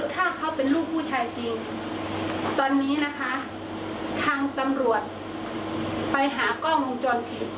ถ้าเขาเป็นลูกผู้ชายจริงตอนนี้นะคะทางตำรวจไปหากล้องวงจรปิด